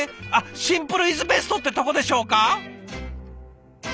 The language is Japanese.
シンプルイズベストってとこでしょうか？